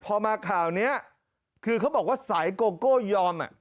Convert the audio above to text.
พอมาข่าวนี้คือเขาบอกว่าสายโกโก้ยอม